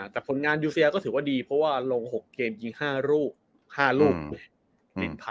แต่ผลงานยูเซียก็ถือว่าดีเพราะว่าลง๖เกมยิง๕ลูก๕ลูกเลย